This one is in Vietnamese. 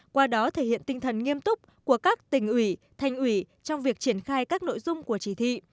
qua đó thể hiện tinh thần nghiêm túc của các tỉnh ủy thành ủy trong việc triển khai các nội dung của chỉ thị